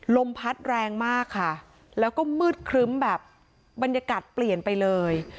ลมพัดแรงมากค่ะแล้วก็มืดครึ้มแบบบรรยากาศเปลี่ยนไปเลย